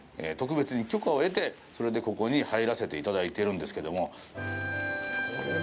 特別に許可を得て、それでここに入らせていただいてるんですけども。